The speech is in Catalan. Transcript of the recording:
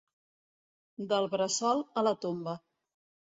Del bressol a la tomba.